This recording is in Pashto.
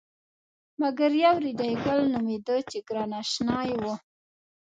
مګر یو ریډي ګل نومېده چې ګران اشنای و.